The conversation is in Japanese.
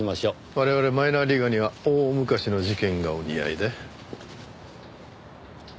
我々マイナーリーガーには大昔の事件がお似合いで。